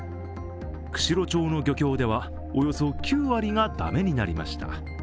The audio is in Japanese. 釧路町の漁協では、およそ９割が駄目になりました。